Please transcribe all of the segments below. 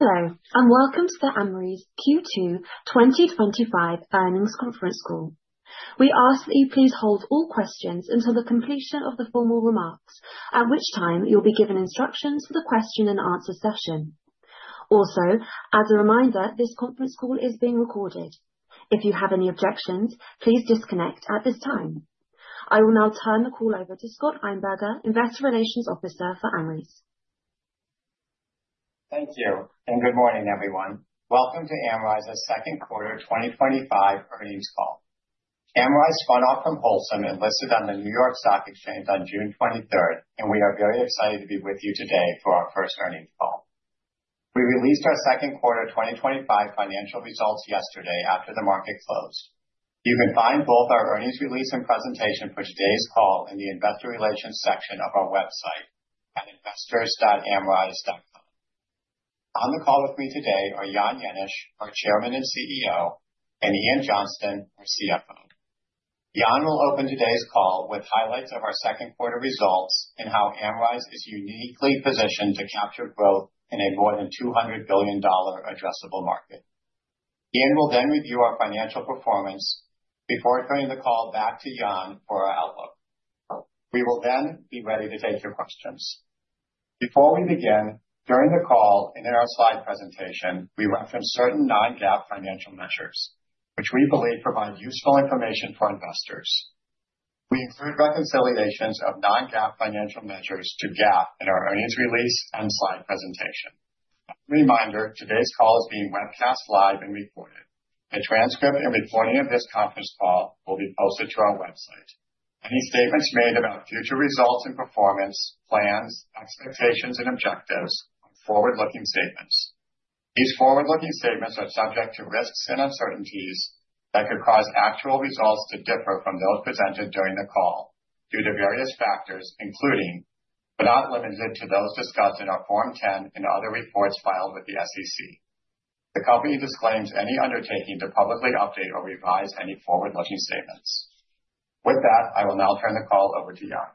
Hello, and welcome to the Amrize Q2 2025 Earnings Conference Call. We ask that you please hold all questions until the completion of the formal remarks, at which time you'll be given instructions for the question and answer session. Also, as a reminder, this conference call is being recorded. If you have any objections, please disconnect at this time. I will now turn the call over to Scott Einberger, Investor Relations Officer for Amrize. Thank you, and good morning, everyone. Welcome to Amrize's Second Quarter 2025 Earnings Call. Amrize spun off from Olsson and listed on the New York Stock Exchange on June 23, and we are very excited to be with you today for our first earnings call. We released our second quarter 2025 financial results yesterday after the market closed. You can find both our earnings release and presentation for today's call in the Investor Relations section of our website, investors.amrize.com. On the call with me today are Jan Jannis, our Chairman and CEO, and Ian Johnston, our CFO. Jan will open today's call with highlights of our second quarter results and how Amrize is uniquely positioned to capture growth in a more than $200 billion addressable market. Ian will then review our financial performance before turning the call back to Jan for our outlook. We will then be ready to take your questions. Before we begin, during the call and in our slide presentation, we referenced certain non-GAAP financial measures, which we believe provide useful information for investors. We include reconciliations of non-GAAP financial measures to GAAP in our earnings release and slide presentation. A reminder, today's call is being webcast live and recorded. A transcript and recording of this conference call will be posted to our website. Any statements made about future results and performance, plans, expectations, and objectives are forward-looking statements. These forward-looking statements are subject to risks and uncertainties that could cause actual results to differ from those presented during the call due to various factors, including but not limited to those discussed in our Form 10 and other reports filed with the SEC. We disclaim any undertaking to publicly update or revise any forward-looking statements. With that, I will now turn the call over to Jan.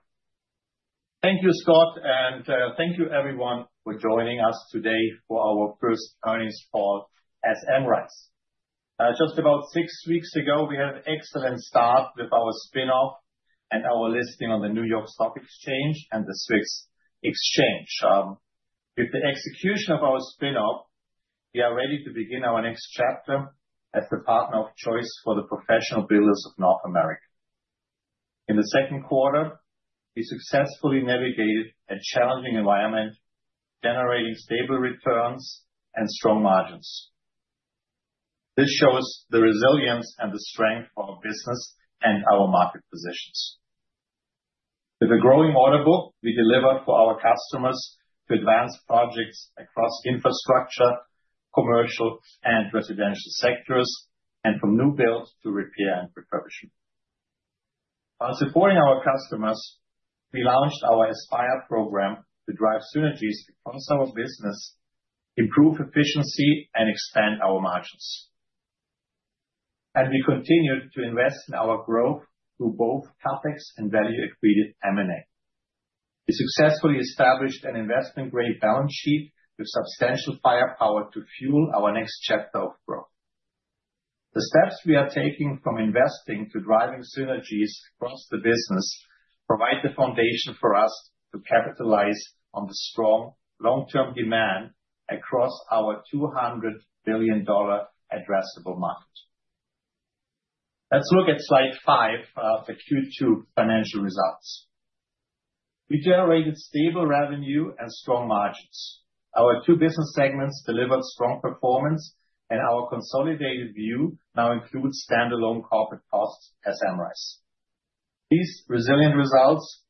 Thank you, Scott, and thank you, everyone, for joining us today for our first earnings call at Amrize. Just about six weeks ago, we had an excellent start with our spin-off and our listing on the New York Stock Exchange and the Swiss Exchange. With the execution of our spin-off, we are ready to begin our next chapter as the partner of choice for the professional builders of North America. In the second quarter, we successfully navigated a challenging environment, generating stable returns and strong margins. This shows the resilience and the strength of our business and our market positions. With a growing audible, we delivered for our customers to advanced projects across infrastructure, commercial, and residential sectors, and from new builds to repair and refurbishment. On supporting our customers, we launched our Aspire program to drive synergies to consumer business, improve efficiency, and expand our margins. We continued to invest in our growth through both CapEx and value-accretive M&A. We successfully established an investment-grade balance sheet with substantial firepower to fuel our next chapter of growth. The steps we are taking from investing to driving synergies across the business provide the foundation for us to capitalize on the strong long-term demand across our $200 billion addressable market. Let's look at slide five of the Q2 Financial Results. We generated stable revenue and strong margins. Our two business segments delivered strong performance, and our consolidated view now includes standalone corporate costs as Amrize. These resilient results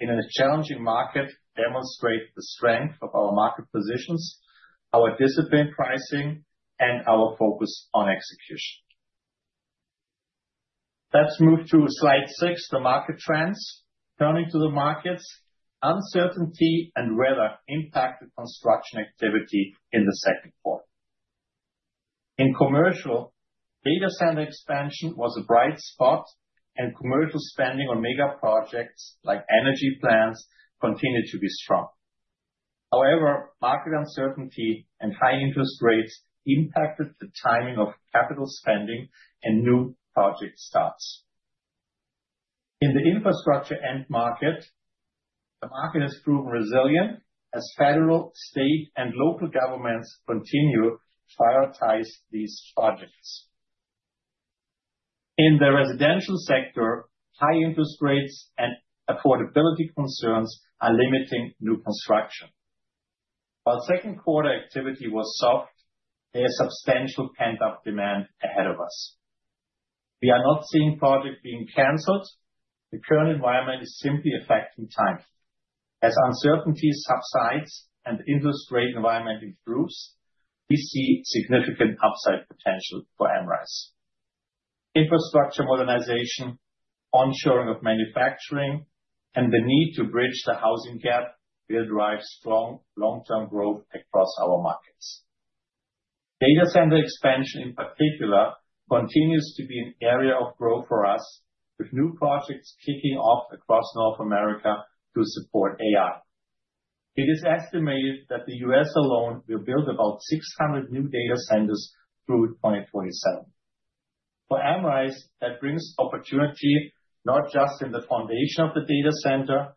in a challenging market demonstrate the strength of our market positions, our disciplined pricing, and our focus on execution. Let's move to slide six of market trends. Turning to the markets, uncertainty and weather impacted construction activity in the second quarter. In commercial, data center expansion was a bright spot, and commercial spending on major projects like energy plants continued to be strong. However, market uncertainty and high interest rates impacted the timing of capital spending and new project starts. In the infrastructure end market, the market has proven resilient as federal, state, and local governments continue to prioritize these projects. In the residential sector, high interest rates and affordability concerns are limiting new construction. Our second quarter activity was soft. There is substantial pent-up demand ahead of us. We are not seeing projects being canceled. The current environment is simply affecting timing. As uncertainty subsides and the interest rate environment improves, we see significant upside potential for Amrize. Infrastructure modernization, onshoring of manufacturing, and the need to bridge the housing gap will drive strong long-term growth across our markets. Data center expansion, in particular, continues to be an area of growth for us, with new projects kicking off across North America to support AI. It is estimated that the U.S. alone will build about 600 new data centers through 2027. For Amrize, that brings opportunity not just in the foundation of the data center,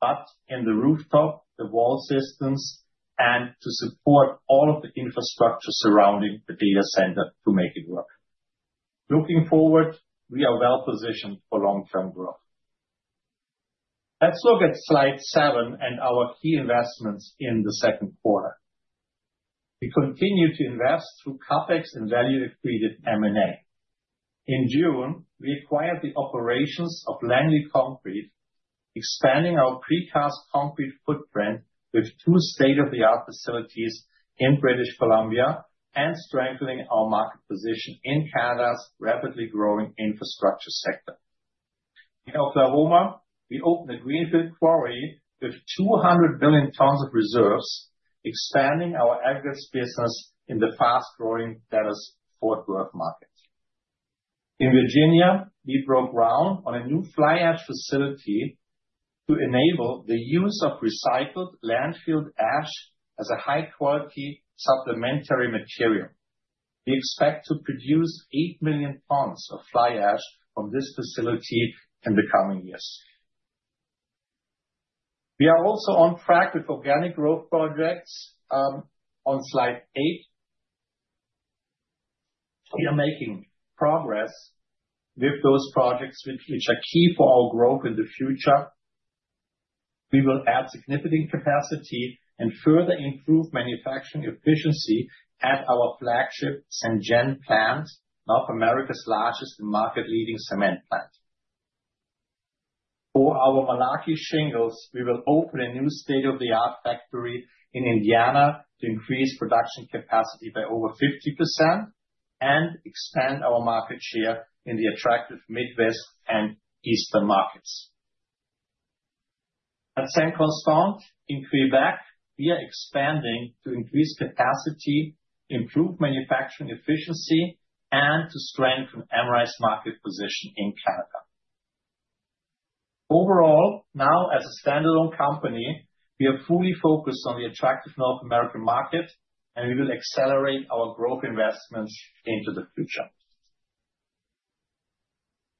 but in the rooftop, the wall systems, and to support all of the infrastructure surrounding the data center to make it work. Looking forward, we are well positioned for long-term growth. Let's look at slide seven and our key investments in the second quarter. We continue to invest through CapEx and value-accretive M&A. In June, we acquired the operations of Langley Concrete, expanding our precast concrete footprint with two state-of-the-art facilities in British Columbia and strengthening our market position in Canada's rapidly growing infrastructure sector. In Oklahoma, we opened a greenfield quarry with 200 million tons of reserves, expanding our aggregate business in the fast-growing Dallas-Fort Worth market. In Virginia, we broke ground on a new fly ash facility to enable the use of recycled landfill ash as a high-quality supplementary material. We expect to produce 8 million tons of fly ash from this facility in the coming years. We are also on track with organic growth projects. On slide eight, we are making progress with those projects, which are key for our growth in the future. We will add significant capacity and further improve manufacturing efficiency at our flagship SenGen plant, North America's largest and market-leading cement plant. For our Malarkey shingles, we will open a new state-of-the-art factory in Indiana to increase production capacity by over 50% and expand our market share in the attractive Midwest and Eastern markets. At Saint Constant in Quebec, we are expanding to increase capacity, improve manufacturing efficiency, and to strengthen Amrize's market position in Canada. Overall, now as a standalone company, we are fully focused on the attractive North American market, and we will accelerate our growth investments into the future.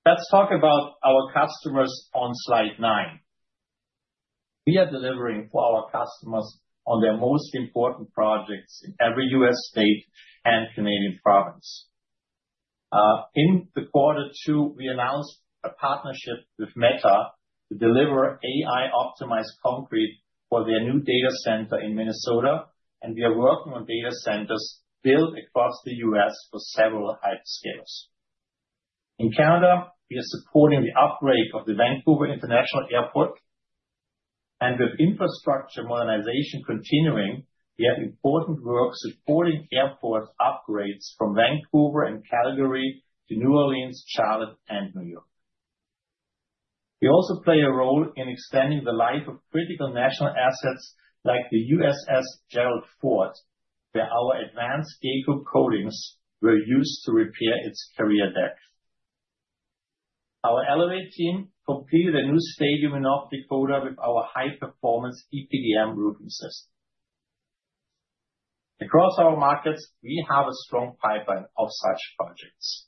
Let's talk about our customers on slide nine. We are delivering for our customers on their most important projects in every U.S. state and Canadian province. In the quarter two, we announced a partnership with Meta to deliver AI-optimized concrete for their new data center in Minnesota, and we are working on data centers built across the U.S. for several hyperscalers. In Canada, we are supporting the upgrade of the Vancouver International Airport. With infrastructure modernization continuing, we have important work supporting airport upgrades from Vancouver and Calgary to New Orleans, Charlotte, and New York. We also play a role in extending the life of critical national assets like the USS Gerald Ford, where our advanced GEICO coatings were used to repair its carrier decks. Our elevator team completed a new stadium in North Dakota with our high-performance EPDM roofing system. Across our markets, we have a strong pipeline of such projects.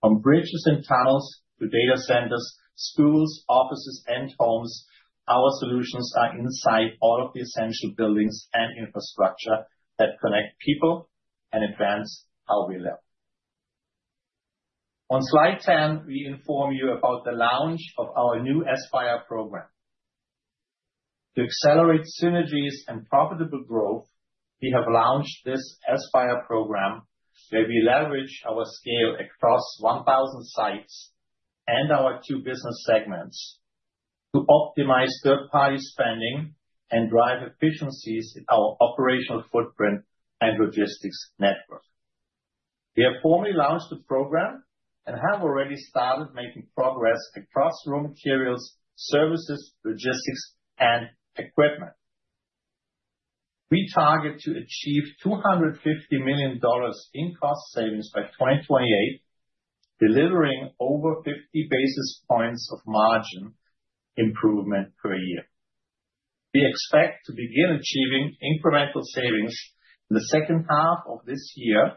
From bridges and tunnels to data centers, schools, offices, and homes, our solutions are inside all of the essential buildings and infrastructure that connect people and advance our will. On slide ten, we inform you about the launch of our new Aspire program. To accelerate synergies and profitable growth, we have launched this Aspire program where we leverage our scale across 1,000 sites and our two business segments to optimize third-party spending and drive efficiencies in our operational footprint and logistics network. We have formally launched the program and have already started making progress across raw materials, services, logistics, and equipment. We target to achieve $250 million in cost savings by 2028, delivering over 50 basis points of margin improvement per year. We expect to begin achieving incremental savings in the second half of this year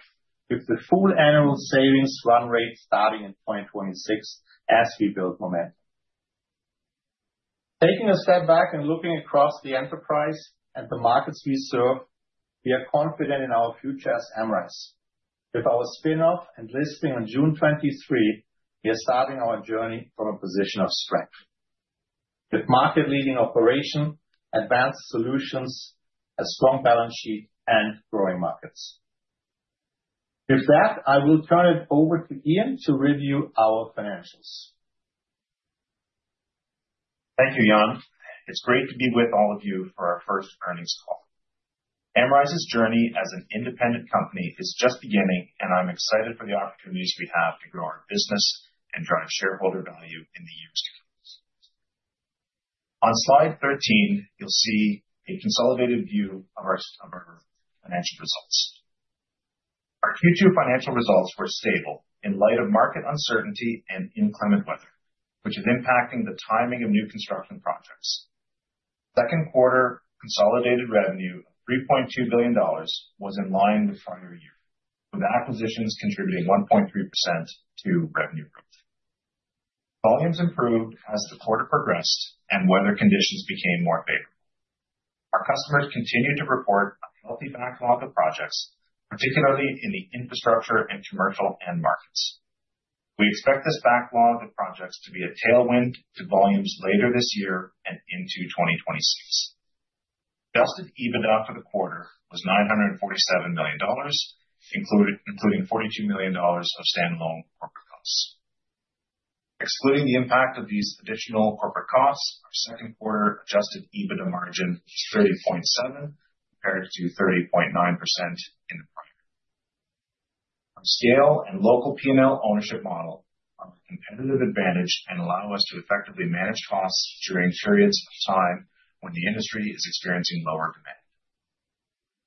with the full annual savings run rate starting in 2026 as we build momentum. Taking a step back and looking across the enterprise and the markets we serve, we are confident in our future as Amrize. With our spin-off and listing on June 23, we are starting our journey from a position of strength with market-leading operations, advanced solutions, a strong balance sheet, and growing markets. With that, I will turn it over to Ian to review our finances. Thank you, Jan. It's great to be with all of you for our first earnings call. Amrize's journey as an independent company is just beginning, and I'm excited for the opportunities we have to grow our business and drive shareholder value in the years ahead. On slide 13, you'll see a consolidated view of our financial results. Our Q2 financial results were stable in light of market uncertainty and inclement weather, which is impacting the timing of new construction projects. The second quarter consolidated revenue of $3.2 billion was in line with the prior year, with acquisitions contributing 1.3% to revenue growth. Volumes improved as the quarter progressed and weather conditions became more favorable. Our customers continue to report healthy backlog of projects, particularly in the infrastructure and commercial end markets. We expect this backlog of projects to be a tailwind to volumes later this year and into 2026. Adjusted EBITDA for the quarter was $947 million, including $42 million of standalone corporate costs. Excluding the impact of these additional corporate costs, our second quarter adjusted EBITDA margin was 30.7% compared to 30.9% in the prior year. Scale and local P&L ownership models are a competitive advantage and allow us to effectively manage costs during periods of time when the industry is experiencing lower demand.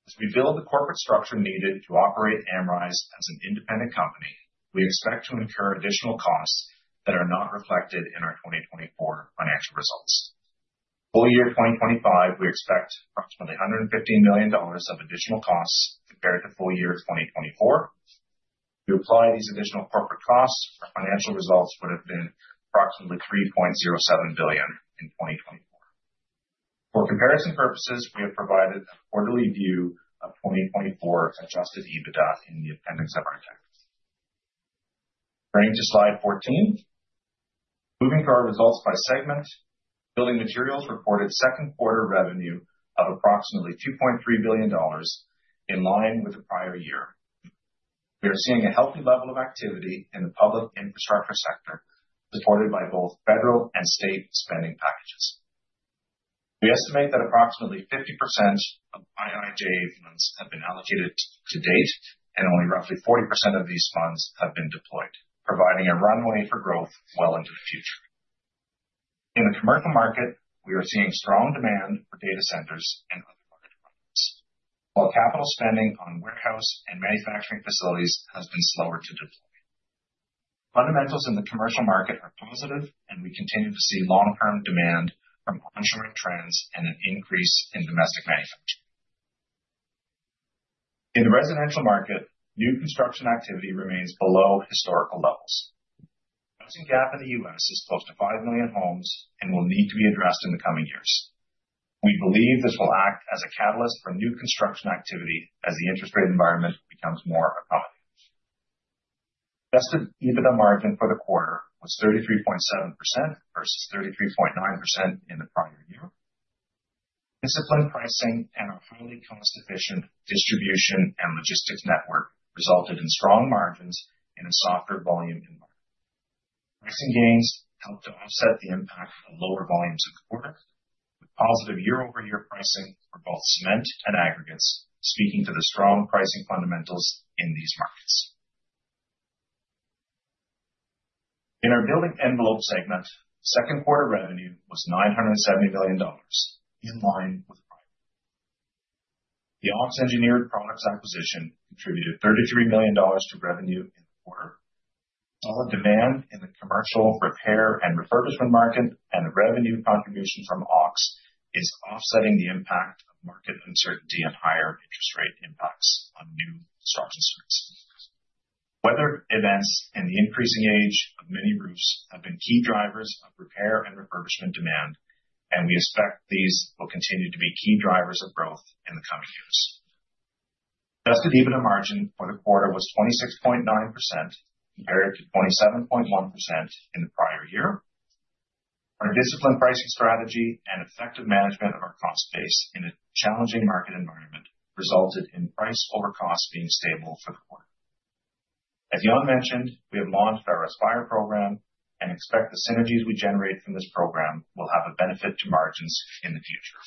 As we build the corporate structure needed to operate Amrize as an independent company, we expect to incur additional costs that are not reflected in our 2024 financial results. For the full year 2025, we expect approximately $150 million of additional costs compared to full year 2024. If you apply these additional corporate costs, our financial results would have been approximately $3.07 billion in 2024. For comparison purposes, we have provided a quarterly view of 2024 adjusted EBITDA in the appendix of our deck. Turning to slide 14, moving to our results by segment, building materials reported second-quarter revenue of approximately $2.3 billion in line with the prior year. We are seeing a healthy level of activity in the public infrastructure sector, supported by both federal and state spending packages. We estimate that approximately 50% of IRA JA funds have been allocated to date, and only roughly 40% of these funds have been deployed, providing a runway for growth well into the future. In the commercial market, we are seeing strong demand for data centers and other markets. All capital spending on warehouse and manufacturing facilities has been slower to deploy. Fundamentals in the commercial market are positive, and we continue to see long-term demand from onshoring trends and an increase in domestic manufacturing. In the residential market, new construction activity remains below historical levels. The housing gap in the U.S. is close to 5 million homes and will need to be addressed in the coming years. We believe this will act as a catalyst for new construction activity as the interest rate environment becomes more autonomous. Adjusted EBITDA margin for the quarter was 33.7% versus 33.9% in the prior year. Disciplined pricing and a highly cost-efficient distribution and logistics network resulted in strong margins in a softer volume environment. Pricing gains helped to offset the impact of lower volumes of the quarter, with positive year-over-year pricing for both cement and aggregates, speaking to the strong pricing fundamentals in these markets. In our building envelope segment, second-quarter revenue was $970 million in line with. The AUX engineered products acquisition contributed $33 million to revenue in the quarter. All of the demand in the commercial repair and refurbishment market and the revenue contribution from AUX is offsetting the impact of market uncertainty and higher interest rate impacts on new construction sites. Weather events and the increasing age of many roofs have been key drivers of repair and refurbishment demand, and we expect these will continue to be key drivers of growth in the coming years. Adjusted EBITDA margin for the quarter was 26.9% compared to 27.1% in the prior year. Our disciplined pricing strategy and effective management of our cost base in a challenging market environment resulted in price over cost being stable for the quarter. As Jan mentioned, we have launched our Aspire program and expect the synergies we generate from this program will have a benefit to margins in the future.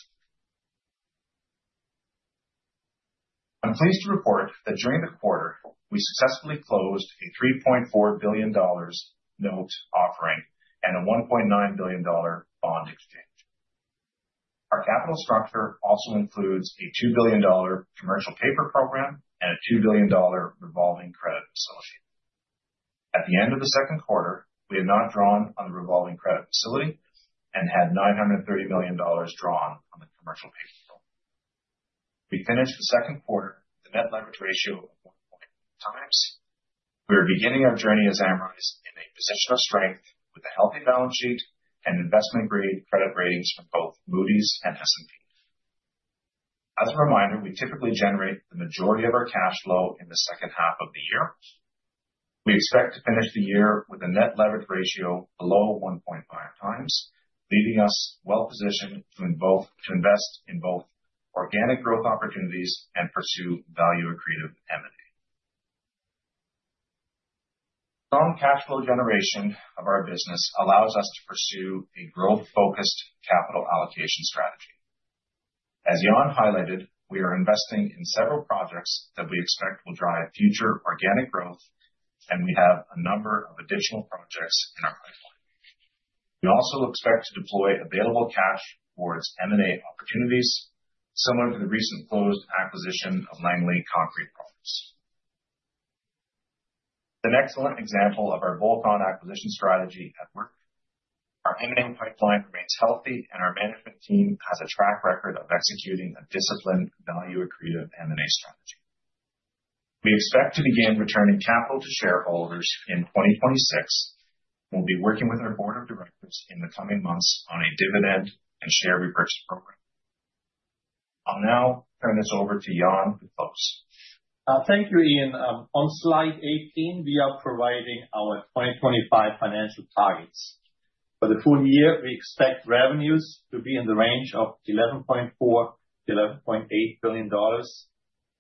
I'm pleased to report that during the quarter, we successfully closed a $3.4 billion note offering and a $1.9 billion bond exchange. Our capital structure also includes a $2 billion commercial paper program and a $2 billion revolving credit facility. At the end of the second quarter, we have not drawn on the revolving credit facility and had $930 million drawn on the commercial paper program. We finished the second quarter with a net leverage ratio of. Times. We are beginning our journey as Amrize in a position of strength with a healthy balance sheet and investment-grade credit ratings from both Moody's and S&P. As a reminder, we typically generate the majority of our cash flow in the second half of the year. We expect to finish the year with a net leverage ratio below 1.5x, leaving us well positioned to invest in both organic growth opportunities and pursue value-accretive M&A. Strong cash flow generation of our business allows us to pursue a growth-focused capital allocation strategy. As Jan highlighted, we are investing in several projects that we expect will drive future organic growth, and we have a number of additional projects in our pipeline. We also expect to deploy available cash towards M&A opportunities, similar to the recent closed acquisition of Langley Concrete Partners. It's an excellent example of our value-accretive acquisition strategy at work. Our M&A pipeline remains healthy, and our management team has a track record of executing a disciplined value-accretive M&A strategy. We expect to begin returning capital to shareholders in 2026. We'll be working with our Board of Directors in the coming months on a dividend and share repurchase program. I'll now turn this over to Jan to close. Thank you, Ian. On slide 18, we are providing our 2025 financial targets. For the full year, we expect revenues to be in the range of $11.4 billion-$11.8 billion,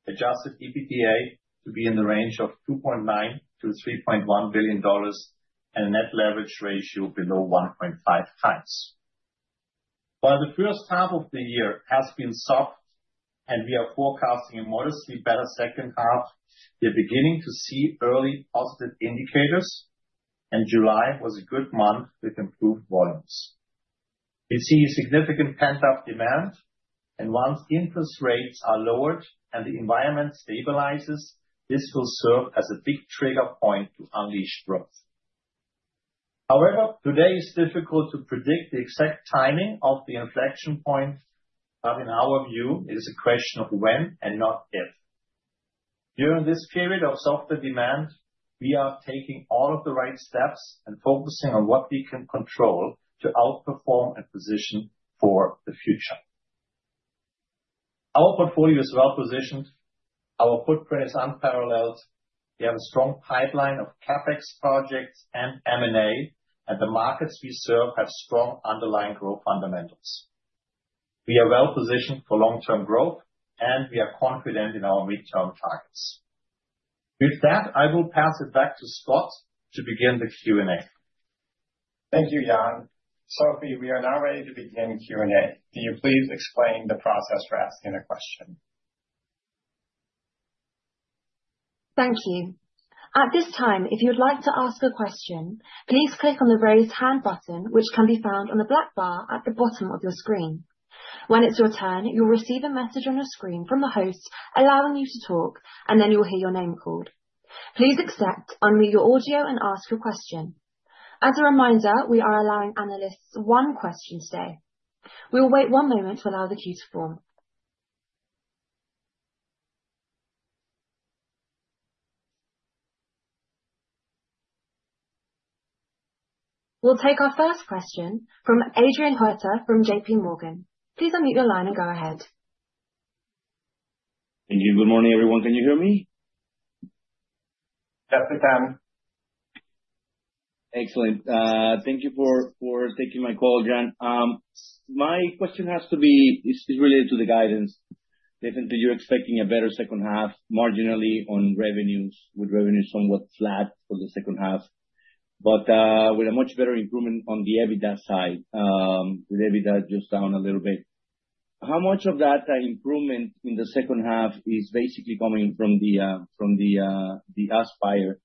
adjusted EBITDA to be in the range of $2.9 billion-$3.1 billion, and a net leverage ratio below 1.5x. While the first half of the year has been soft, and we are forecasting a modestly better second half, we are beginning to see early positive indicators, and July was a good month with improved volumes. We see a significant pent-up demand, and once interest rates are lowered and the environment stabilizes, this will serve as a big trigger point to unleash growth. However, today it's difficult to predict the exact timing of the inflection point, but in our view, it is a question of when and not if. During this period of softer demand, we are taking all of the right steps and focusing on what we can control to outperform and position for the future. Our portfolio is well positioned. Our footprint is unparalleled. We have a strong pipeline of CapEx projects and M&A and the markets we serve have strong underlying growth fundamentals. We are well positioned for long-term growth, and we are confident in our mid-term targets. With that, I will pass it back to Scott to begin the Q&A. Thank you, Jan. Currently, we are now ready to begin the Q&A. Can you please explain the process for asking a question? Thank you. At this time, if you would like to ask a question, please click on the raised hand button, which can be found on the black bar at the bottom of your screen. When it's your turn, you'll receive a message on your screen from the host allowing you to talk, and then you'll hear your name called. Please accept only your audio and ask your question. As a reminder, we are allowing analysts one question today. We will wait one moment to allow the queue to form. We'll take our first question from Adrian Huerta from JPMorgan. Please unmute your line and go ahead. Thank you. Good morning, everyone. Can you hear me? Yes, we can. Excellent. Thank you for taking my call, Jan. My question has to be related to the guidance. Definitely, you're expecting a better second half marginally on revenues, with revenues somewhat flat for the second half, but with a much better improvement on the EBITDA side, with EBITDA just down a little bit. How much of that improvement in the second half is basically coming from the Aspire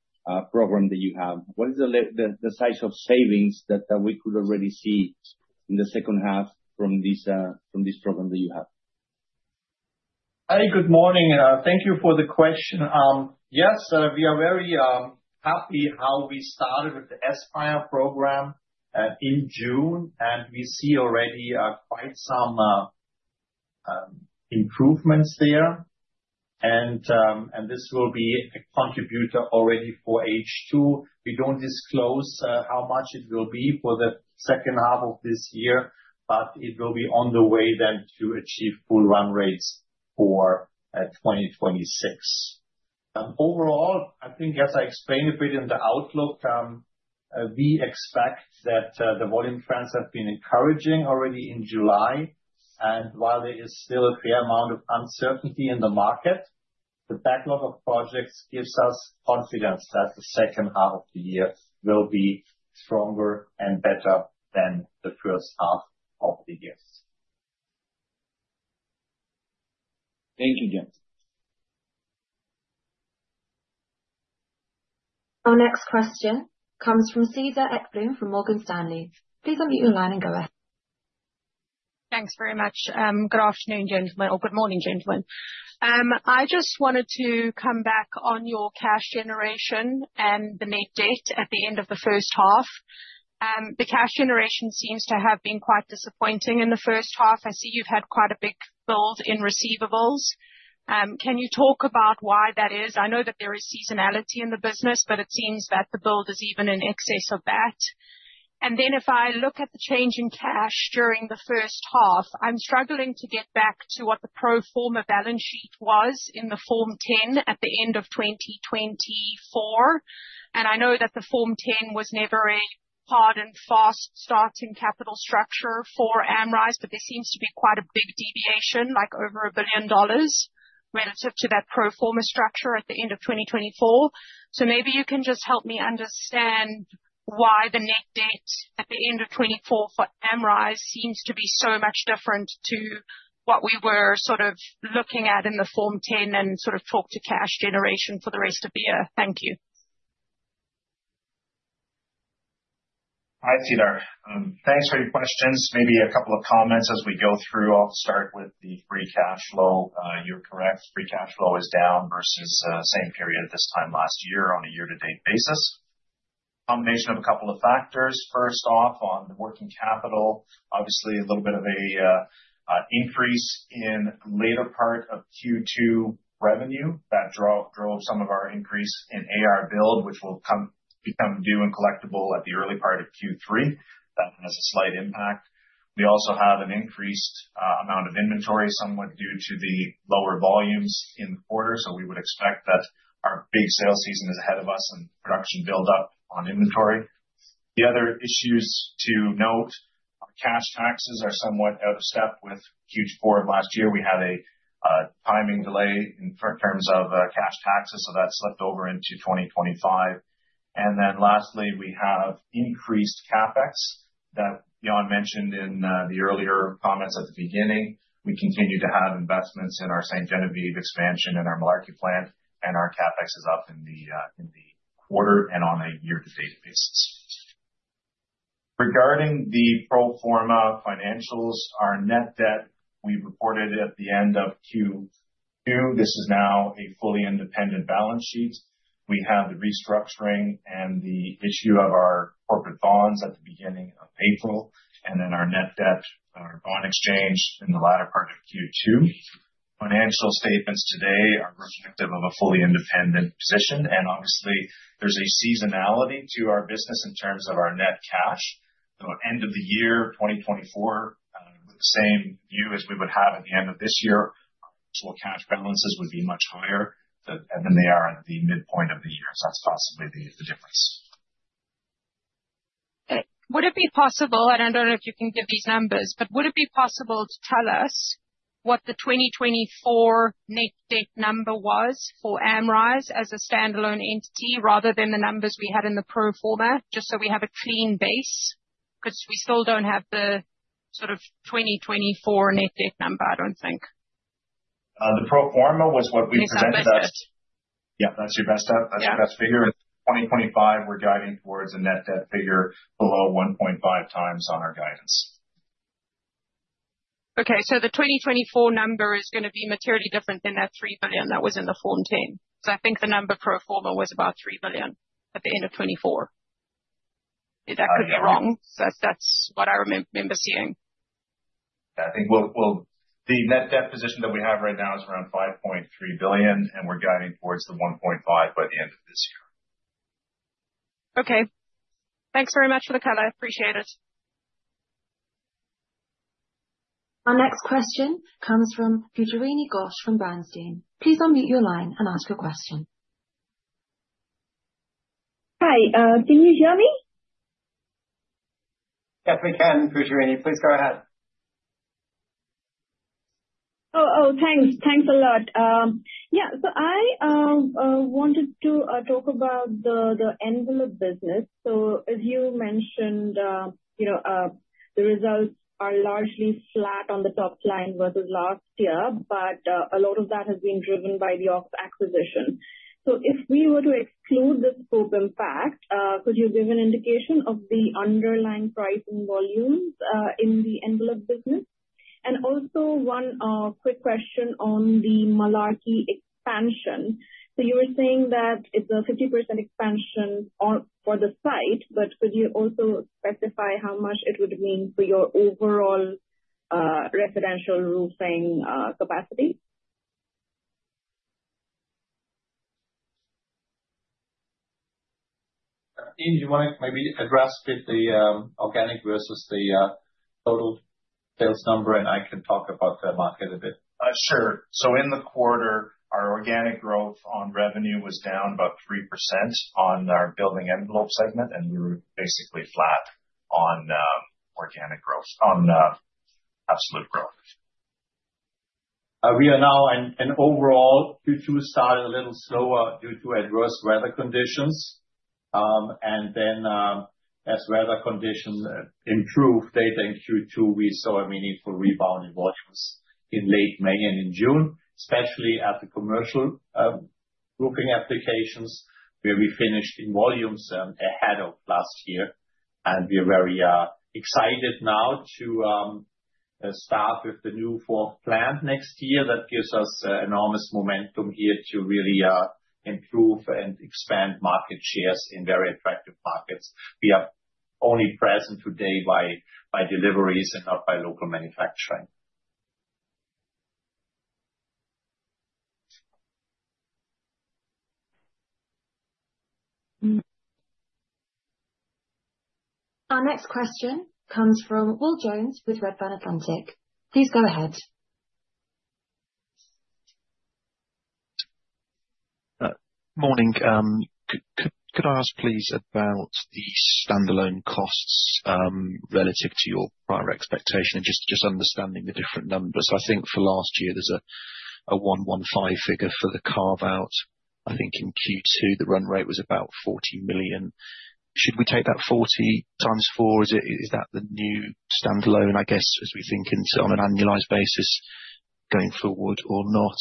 program that you have? What is the size of savings that we could already see in the second half from this program that you have? Hey, good morning, and thank you for the question. Yes, we are very happy how we started with the Aspire program in June, and we see already quite some improvements there. This will be a contributor already for H2. We don't disclose how much it will be for the second half of this year, but it will be on the way then to achieve full run rates for 2026. Overall, I think, as I explained a bit in the outlook, we expect that the volume trends have been encouraging already in July. While there is still a fair amount of uncertainty in the market, the backlog of projects gives us confidence that the second half of the year will be stronger and better than the first half of the year. Thank you, Jan. Our next question comes from Caesar Ebeling from Morgan Stanley. Please unmute your line and go ahead. Thanks very much. Good afternoon, gentlemen. Or good morning, gentlemen. I just wanted to come back on your cash generation and the net debt at the end of the first half. The cash generation seems to have been quite disappointing in the first half. I see you've had quite a big build in receivables. Can you talk about why that is? I know that there is seasonality in the business, but it seems that the build is even in excess of that. If I look at the change in cash during the first half, I'm struggling to get back to what the pro forma balance sheet was in the Form 10 at the end of 2024. I know that the Form 10 was never a hard and fast starting capital structure for Amrize, but there seems to be quite a big deviation, like over $1 billion, relative to that pro forma structure at the end of 2024. Maybe you can just help me understand why the net debt at the end of 2024 for Amrize seems to be so much different to what we were sort of looking at in the Form 10 and talk to cash generation for the rest of the year. Thank you. Hi, Caesar. Thanks for your questions. Maybe a couple of comments as we go through. I'll start with the free cash flow. You're correct. Free cash flow is down versus the same period this time last year on a year-to-date basis. A combination of a couple of factors. First off, on the working capital, obviously, a little bit of an increase in the later part of Q2 revenue. That drove some of our increase in AR build, which will become due and collectible at the early part of Q3. That has a slight impact. We also have an increased amount of inventory, somewhat due to the lower volumes in the quarter. We would expect that our big sales season is ahead of us and production buildup on inventory. The other issues to note, cash taxes are somewhat out of step with Q4 last year. We had a timing delay in terms of cash taxes, so that's slipped over into 2025. Lastly, we have increased CapEx that Jan Jannis mentioned in the earlier comments at the beginning. We continue to have investments in our SenGen expansion and our market plan, and our CapEx is up in the quarter and on a year-to-date basis. Regarding the pro forma financials, our net debt, we reported it at the end of Q2. This is now a fully independent balance sheet. We have the restructuring and the issue of our corporate bonds at the beginning of April, and then our net debt, our bond exchange in the latter part of Q2. Financial statements today are a perspective of a fully independent position, and obviously, there's a seasonality to our business in terms of our net cash. End of the year 2024, with the same view as we would have at the end of this year, total cash balances would be much higher than they are at the midpoint of the year. That's possibly the decision. Would it be possible, and I don't know if you can give these numbers, would it be possible to tell us what the 2024 net debt number was for Amrize as a standalone entity rather than the numbers we had in the pro forma, just so we have a clean base? Because we still don't have the sort of 2024 net debt number, I don't think. The pro forma was what we presented as. That's the best. Yeah, that's the best start. That's the figure. In 2025, we're guiding towards a net debt figure below 1.5x on our guidance. Okay. The 2024 number is going to be materially different than that $3 billion that was in the Form 10. I think the number pro forma was about $3 billion at the end of 2024. Yes. That could be wrong. That's what I remember seeing. I think the net debt position that we have right now is around $5.3 billion, and we're guiding towards the $1.5 billion by the end of this year. Okay, thanks very much for the cut. I appreciate it. Our next question comes from Pujarini Ghosh from Bernstein. Please unmute your line and ask your question. Hi. Can you hear me? Yes, we can, Pujarini. Please go ahead. Thanks a lot. Yeah. I wanted to talk about the envelope business. As you mentioned, the results are largely flat on the top line versus last year, but a lot of that has been driven by the AUX acquisition. If we were to exclude the scope impact, could you give an indication of the underlying pricing volumes in the envelope business? Also, one quick question on the Malarkey expansion. You were saying that it's a 50% expansion for the site, but could you also specify how much it would mean for your overall residential roofing capacity? Ian, do you want to maybe address the organic versus the total sales number, and I could talk about that market a bit? In the quarter, our organic growth on revenue was down about 3% on our building envelope segment, and we were basically flat on organic growth on absolute growth. We are now, in overall, Q2 started a little slower due to adverse weather conditions. As weather conditions improved, data in Q2, we saw a need for rebound in volumes in late May and in June, especially after commercial roofing applications, where we finished in volumes ahead of last year. We are very excited now to start with the new fourth plant next year. That gives us enormous momentum here to really improve and expand market shares in very attractive markets. We are only present today by deliveries and not by local manufacturing. Our next question comes from Will Jones with Redburn Atlantic. Please go ahead. Morning. Could I ask, please, about the standalone costs relative to your prior expectation and just understanding the different numbers? I think for last year, there's a $115 million figure for the carve-out. I think in Q2, the run rate was about $40 million. Should we take that $40 million times four? Is that the new standalone, I guess, as we think on an annualized basis going forward or not?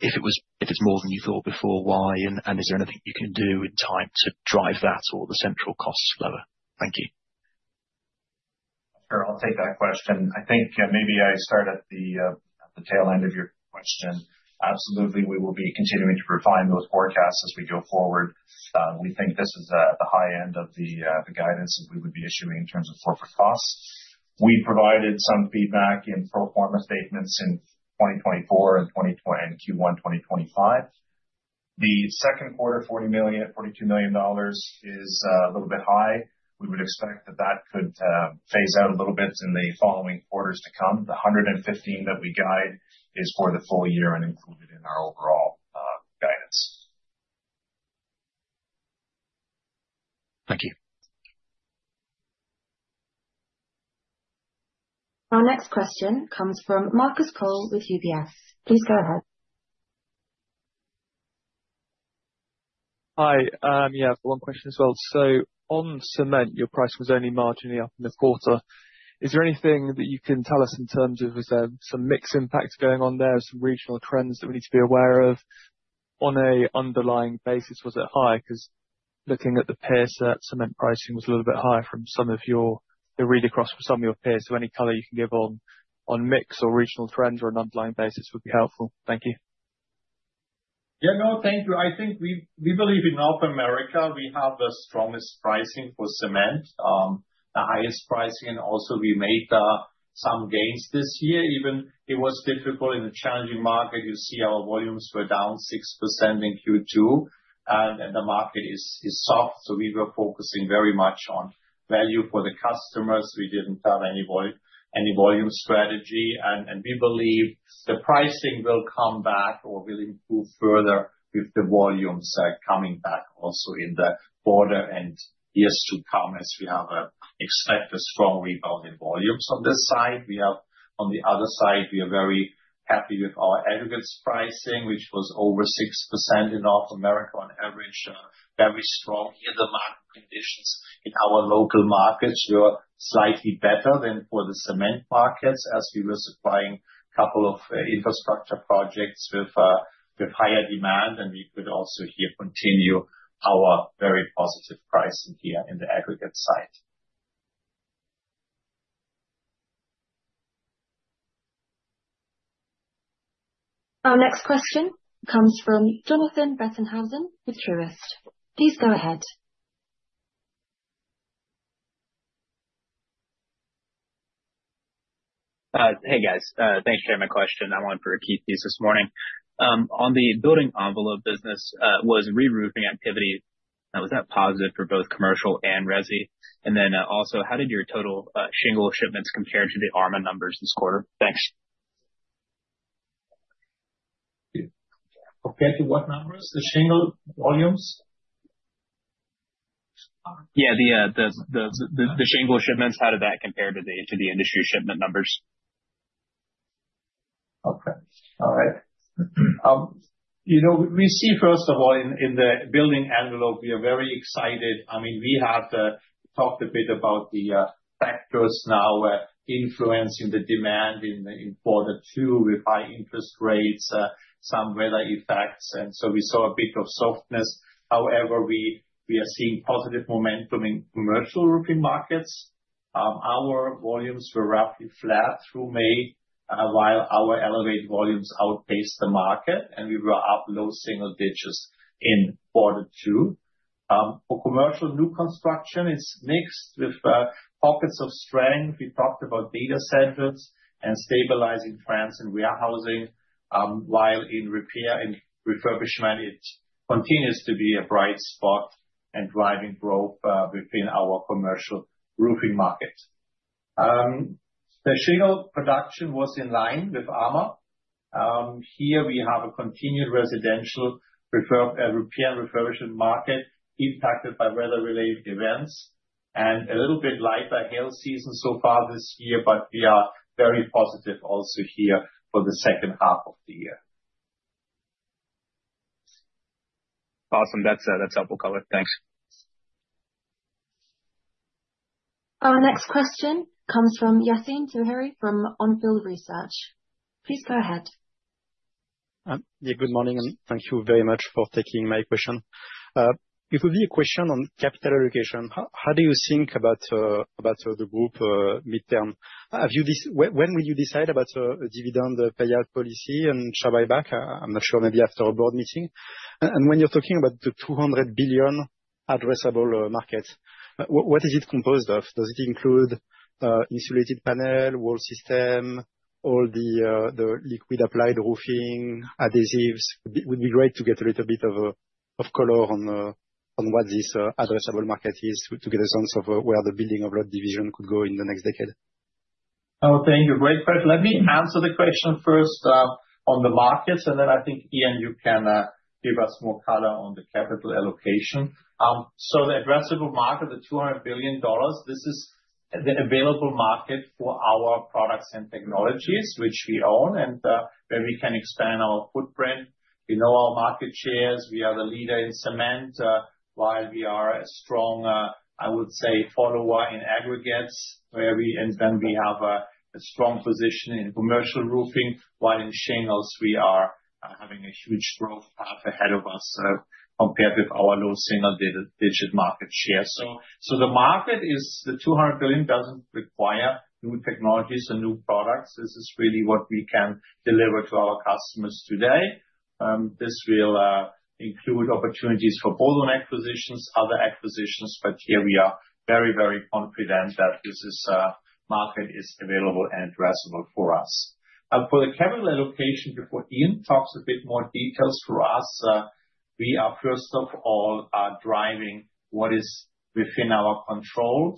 If it's more than you thought before, why? Is there anything you can do with time to drive that or the central costs lower? Thank you. Sure. I'll take that question. I think maybe I start at the tail end of your question. Absolutely, we will be continuing to refine those forecasts as we go forward. We think this is at the high end of the guidance that we would be issuing in terms of corporate costs. We provided some feedback in pro forma statements in 2024 and Q1 2025. The second quarter, $42 million is a little bit high. We would expect that that could phase out a little bit in the following quarters to come. The $115 million that we guide is for the full year and included in our overall guidance. Thank you. Our next question comes from Marcus Cole with UBS. Please go ahead. Hi. I have one question as well. On cement, your price was only marginally up in the quarter. Is there anything that you can tell us in terms of some mix impacts going on there, some regional trends that we need to be aware of? On an underlying basis, was it high? Looking at the peer set, cement pricing was a little bit high from some of your peers. Any color you can give on mix or regional trends or an underlying basis would be helpful. Thank you. Yeah, no, thank you. I think we believe in North America. We have the strongest pricing for cement, the highest pricing. Also, we made some gains this year, even though it was difficult in a challenging market. You see our volumes were down 6% in Q2, and the market is soft. We were focusing very much on value for the customers. We didn't have any volume strategy. We believe the pricing will come back or will improve further if the volumes are coming back also in the quarter and years to come as we have expected strong rebound in volumes. On this side, we have, on the other side, we are very happy with our aggregate pricing, which was over 6% in North America on average. Very strong here. The market conditions in our local markets were slightly better than for the cement markets as we were supplying a couple of infrastructure projects with higher demand. We could also here continue our very positive pricing here in the aggregate side. Our next question comes from Jonathan Bettenhausen with Truist. Please go ahead. Hey, guys. Thanks for my question. I wanted to repeat these this morning. On the building envelope business, was reroofing activity, was that positive for both commercial and resi? Also, how did your total shingle shipments compare to the ARMA numbers this quarter? Thanks. Compared to what numbers? The shingle volumes? Yeah, the shingle shipments, how did that compare to the industry shipment numbers? Okay. All right. You know, we see, first of all, in the building envelope, we are very excited. I mean, we have talked a bit about the factors now influencing the demand in quarter two. We're buying interest rates, some weather effects. We saw a bit of softness. However, we are seeing positive momentum in commercial roofing markets. Our volumes were roughly flat through May, while our elevated volumes outpaced the market, and we were up low single digits in quarter two. For commercial new construction, it's mixed with pockets of strength. We talked about data center construction and stabilizing plants and warehousing. While in repair and refurbishment, it continues to be a bright spot and driving growth within our commercial roofing market. The shingle production was in line with ARMA. Here, we have a continued residential repair and refurbishment market impacted by weather-related events and a little bit light by hail season so far this year, but we are very positive also here for the second half of the year. Awesome. That's helpful, Ian. Thanks. Our next question comes from Yassine Touheri from On Field Research. Please go ahead. Good morning, and thank you very much for taking my question. It would be a question on capital allocation. How do you think about the group midterm? When will you decide about a dividend payout policy and shove it back? I'm not sure, maybe after a Board meeting. When you're talking about the $200 billion addressable markets, what is it composed of? Does it include insulated panel, wall system, all the liquid applied roofing, adhesives? It would be great to get a little bit of color on what this addressable market is to get a sense of where the building envelope division could go in the next decade. Oh, thank you. Great. Let me answer the question first on the markets, and then I think, Ian, you can give us more color on the capital allocation. The addressable market, the $200 billion, this is the available market for our products and technologies, which we own, and where we can expand our footprint. We know our market shares. We are the leader in cement, while we are a strong, I would say, follower in aggregates, where we and then we have a strong position in commercial roofing, while in shingles, we are having a huge growth path ahead of us compared with our low single-digit market share. The market is the $200 billion, doesn't require new technologies and new products. This is really what we can deliver to our customers today. This will include opportunities for bolt-on acquisitions, other acquisitions, but here we are very, very confident that this market is available and addressable for us. For the capital allocation, before Ian talks a bit more details for us, we are, first of all, driving what is within our control.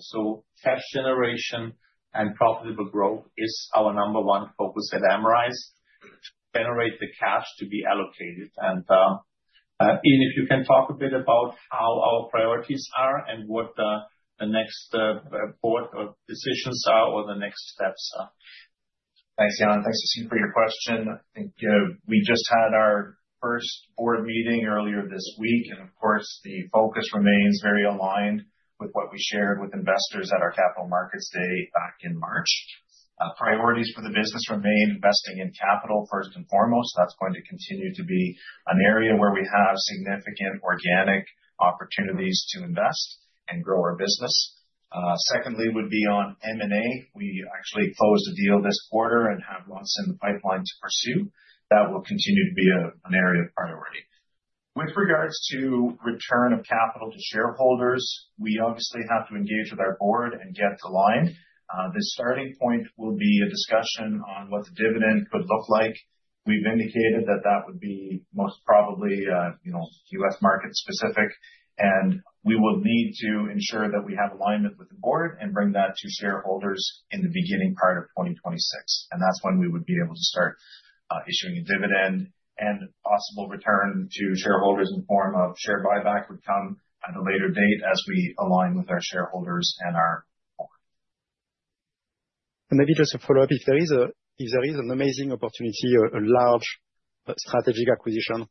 Cash generation and profitable growth is our number one focus at Amrize. Generate the cash to be allocated. Ian, if you can talk a bit about how our priorities are and what the next Board decisions are or the next steps are. Thanks, Jan. Thanks, Ian, for your question. We just had our first Board meeting earlier this week, and of course, the focus remains very aligned with what we shared with investors at our capital markets day back in March. Priorities for the business remain investing in capital first and foremost. That's going to continue to be an area where we have significant organic opportunities to invest and grow our business. Secondly, would be on M&A. We actually closed a deal this quarter and have lots in the pipeline to pursue. That will continue to be an area of priority. With regards to return of capital to shareholders, we obviously have to engage with our Board and get it aligned. The starting point will be a discussion on what the dividend could look like. We've indicated that that would be most probably U.S. market specific, and we will need to ensure that we have alignment with the Board and bring that to shareholders in the beginning part of 2026. That's when we would be able to start issuing a dividend and possible return to shareholders in the form of share buyback would come at a later date as we align with our shareholders and our. If there is an amazing opportunity, a large strategic acquisition,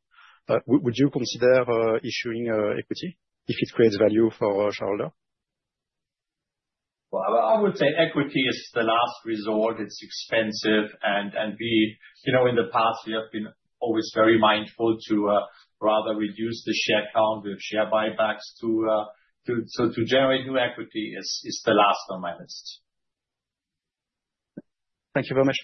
would you consider issuing equity if it creates value for a shareholder? Equity is the last resort. It's expensive. In the past, we have been always very mindful to rather reduce the share count with share buybacks. To generate new equity is the last on my list. Thank you very much.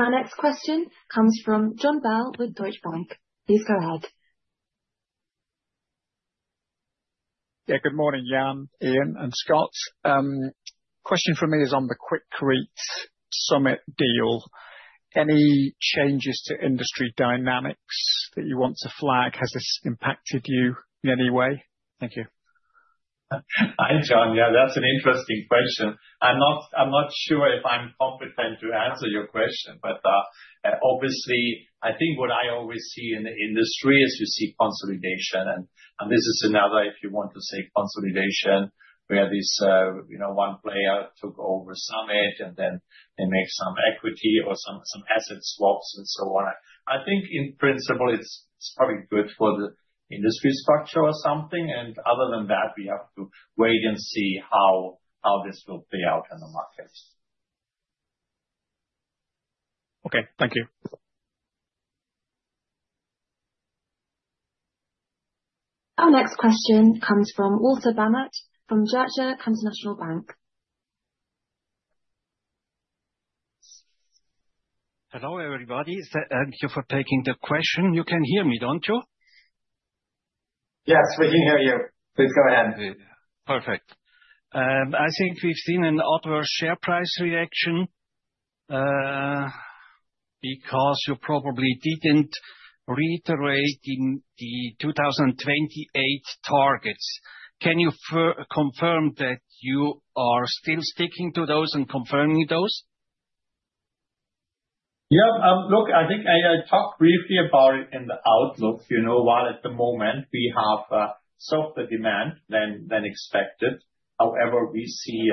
Our next question comes from Jon Bell with Deutsche Bank. Please go ahead. Yeah, good morning, Jan, Ian, and Scott. A question for me is on the Quikrete Summit deal. Any changes to industry dynamics that you want to flag? Has this impacted you in any way? Thank you. Thanks, Jan. Yeah, that's an interesting question. I'm not sure if I'm competent to answer your question, but obviously, I think what I always see in the industry is you see consolidation. This is another, if you want to say, consolidation where one player took over Summit and then they made some equity or some asset swaps and so on. I think in principle, it's probably good for the industry structure or something. Other than that, we have to wait and see how this will play out in the markets. Okay, thank you. Our next question comes from Walter Bamert from Zürcher Kantonalbank. Hello, everybody. Thank you for taking the question. You can hear me, don't you? Yes, we can hear you. Please go ahead. Perfect. I think we've seen an upward share price reaction because you probably didn't reiterate the 2028 targets. Can you confirm that you are still sticking to those and confirming those? Yeah. Look, I think I talked briefly about it in the outlook. You know, at the moment, we have softer demand than expected. However, we see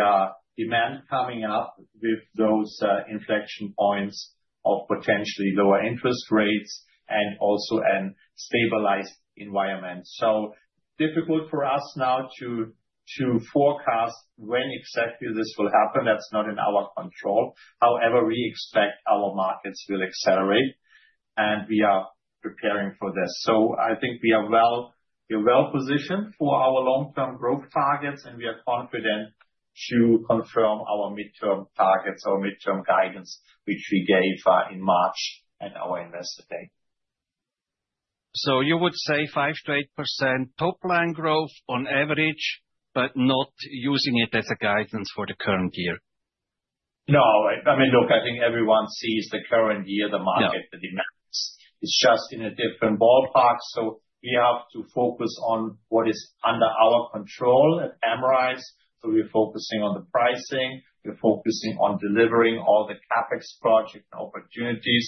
demand coming up with those inflection points of potentially lower interest rates and also a stabilized environment. It is difficult for us now to forecast when exactly this will happen. That's not in our control. However, we expect our markets will accelerate, and we are preparing for this. I think we are well-positioned for our long-term growth targets, and we are confident to confirm our midterm targets, our midterm guidance, which we gave in March at our Investor Day. You would say 5%-8% top line growth on average, but not using it as a guidance for the current year? No, I mean, I think everyone sees the current year, the market, the demand. It's just in a different ballpark. We have to focus on what is under our control at Amrize. We're focusing on the pricing. We're focusing on delivering all the CapEx project opportunities.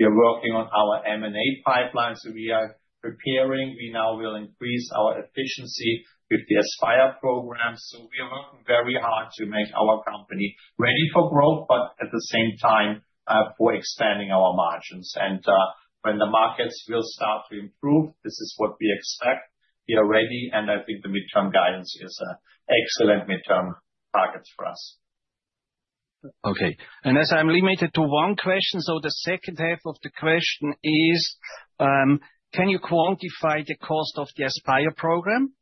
We are working on our M&A pipeline. We are preparing. We now will increase our efficiency with the Aspire program. We are working very hard to make our company ready for growth, but at the same time, we're expanding our margins. When the markets will start to improve, this is what we expect. We are ready, and I think the midterm guidance is an excellent midterm target for us. Okay. As I'm limited to one question, the second half of the question is, can you quantify the cost of the Aspire program?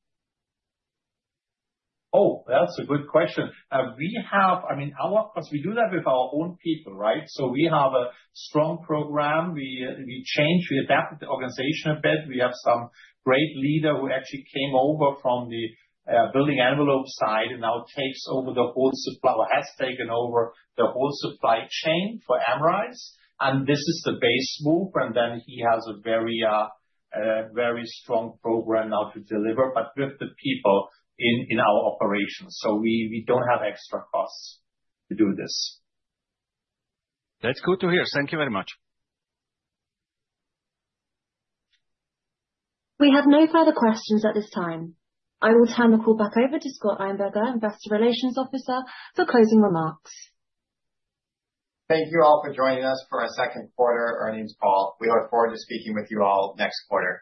Oh, that's a good question. We have, I mean, our cost, we do that with our own people, right? We have a strong program. We change, we adapt the organization a bit. We have some great leader who actually came over from the building envelope side and now takes over the whole supply or has taken over the whole supply chain for Amrize. This is the base move. He has a very, very strong program now to deliver, but with the people in our operations. We don't have extra costs to do this. That's good to hear. Thank you very much. We have no further questions at this time. I will turn the call back over to Scott Einberger, Investor Relations Officer, for closing remarks. Thank you all for joining us for our Second Quarter Earnings Call. We look forward to speaking with you all next quarter.